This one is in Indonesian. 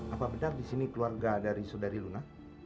apa benar di sini keluarga dari saudari luna